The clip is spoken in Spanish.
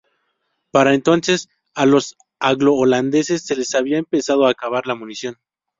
Para entonces, a los anglo-holandeses se les había empezado a acabar la munición.